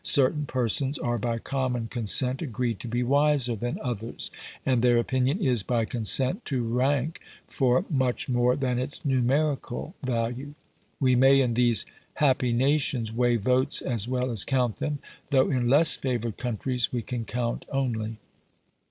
Certain persons are by common consent agreed to be wiser than others, and their opinion is, by consent, to rank for much more than its numerical value. We may in these happy nations weigh votes as well as count them, though in less favoured countries we can count only.